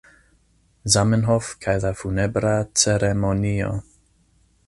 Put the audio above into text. Zamenhof kaj la Funebra Ceremonio.